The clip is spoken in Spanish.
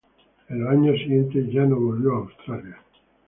En los años siguientes ya no volvió a Australia.